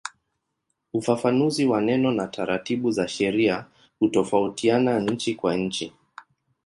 Ufafanuzi wa neno na taratibu za sheria hutofautiana nchi kwa nchi.